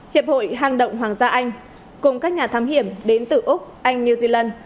hiệp hội hang động hoàng gia anh cùng các nhà thám hiểm đến từ úc anh new zealand